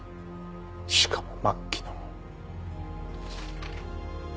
しかも末期の。